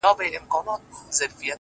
• هغه شین سترګی مرشد ,